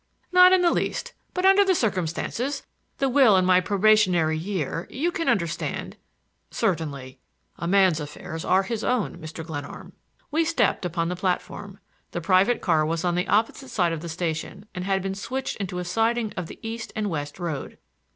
"Not in the least. But under the circumstances,— the will and my probationary year,—you can understand—" "Certainly. A man's affairs are his own, Mr. Glenarm." We stepped upon the platform. The private car was on the opposite side of the station and had been switched into a siding of the east and west road.